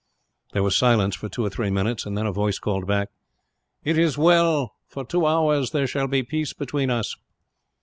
There was silence for two or three minutes, and then a voice called back: "It is well; for two hours there shall be peace between us."